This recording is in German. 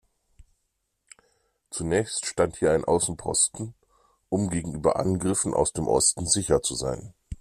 Zunächst stand hier ein Außenposten, um gegenüber Angriffen aus dem Osten sicher zu sein.